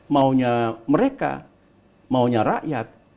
maunya mereka maunya rakyat